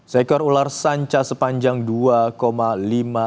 seekor ular sanca sepanjangnya